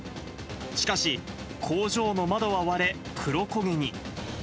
しかし、工場の窓は割れ、黒焦げに。